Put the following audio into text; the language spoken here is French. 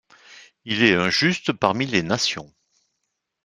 Il est un Juste parmi les nations.